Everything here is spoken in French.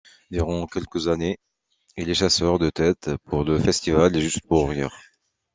Durant quelques années, il est chasseur de têtes pour le Festival Juste pour rire.